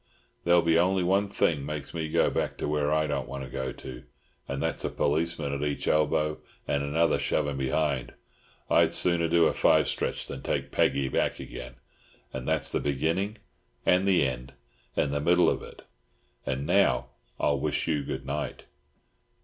There'll be only one thing make me go where I don't want to go, and that's a policeman at each elbow and another shovin' behind. I'd sooner do a five stretch than take Peggy back again. And that's the beginning and the end and the middle of it. And now I'll wish you good night."